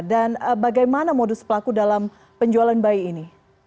dan bagaimana modus pelaku dalam penjualan bayi ini